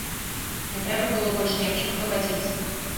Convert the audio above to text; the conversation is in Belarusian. Не трэба было больш ні аб чым клапаціцца.